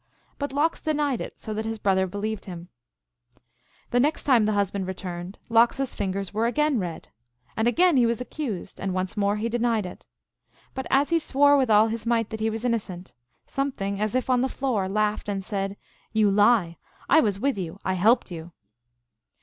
But Lox denied it, so that his brother believed him. THE MERRY TALES OF LOX. 207 The next time the husband returned, Lox s fingers were again red. And again he was accused, and once more he denied it. But as he swore with all his might that he was innocent, something, as if on the floor, laughed, and said, " You lie. I was with you ; I helped you."